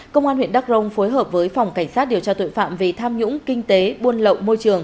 công an huyện đắk rông phối hợp với phòng cảnh sát điều tra tội phạm về tham nhũng kinh tế buôn lậu môi trường